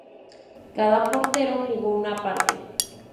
Cada portero jugó una parte.